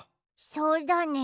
そうだね。